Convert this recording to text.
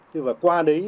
thế và qua đấy